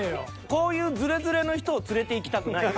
こういうズレズレの人を連れていきたくない。